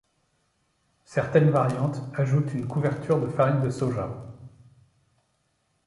Certaines variantes ajoutent une couverture de farine de soja.